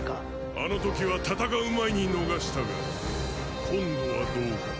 あの時は戦う前に逃したが今度はどうかな。